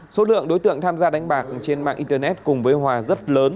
số lượng đối tượng tham gia đánh bạc trên mạng internet cùng với hòa rất lớn